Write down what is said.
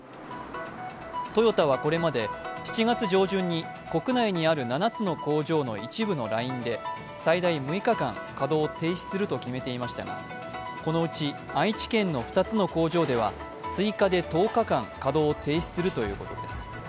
トヨタはこれまで７月上旬に国内にある７つの工場の一部のラインで最大６日間、稼働を停止すると決めていましたがこのうち愛知県の２つの工場では、追加で１０日間稼働を停止するということです。